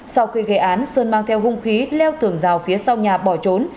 sau khi gây án sơn mang theo hung khí leo thường dao phía sau nhà bỏ trốn